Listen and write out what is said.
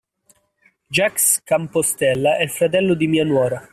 Jacques Campostella è il fratello di mia nuora.